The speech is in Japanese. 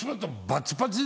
「バチバチ」！